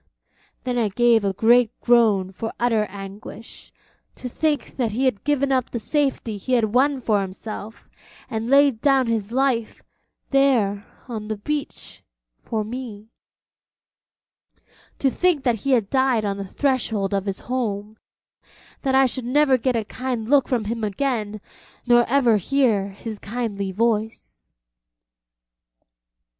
Then I gave a great groan for utter anguish, to think that he had given up the safety he had won for himself, and laid down his life, there on the beach, for me; to think that he had died on the threshold of his home; that I should never get a kind look from him again, nor ever hear his kindly voice.